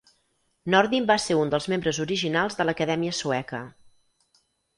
Nordin va ser un dels membres originals de l'Acadèmia Sueca.